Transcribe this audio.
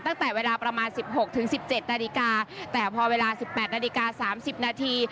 ตั้งแต่เวลาประมาณ๑๖ถึง๑๗นาฬิกาแต่พอเวลา๑๘นาฬิกา๓๐นาที